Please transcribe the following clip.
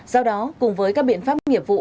sau đó cùng với các biện pháp nghiệp vụ